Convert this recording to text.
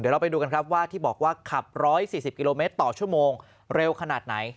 เราไปดูกันครับว่าที่บอกว่าขับ๑๔๐กิโลเมตรต่อชั่วโมงเร็วขนาดไหน